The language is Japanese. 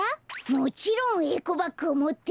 もちろんエコバッグをもってます。